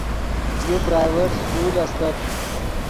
یو پرائیویٹ سکول استت